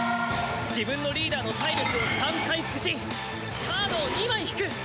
自分のリーダーの体力を３回復しカードを２枚引く！